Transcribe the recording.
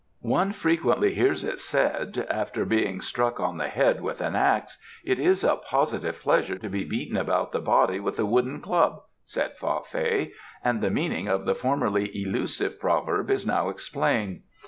"One frequently hears it said, 'After being struck on the head with an axe it is a positive pleasure to be beaten about the body with a wooden club,'" said Fa Fei, "and the meaning of the formerly elusive proverb is now explained.